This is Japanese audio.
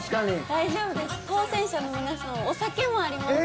大丈夫です。